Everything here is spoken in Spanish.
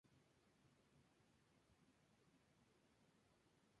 Sor Verónica es hermana del obispo Raúl Berzosa.